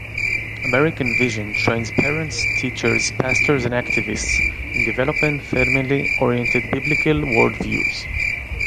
American Vision trains parents, teachers, pastors and activists in developing family-oriented biblical worldviews.